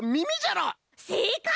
せいかい！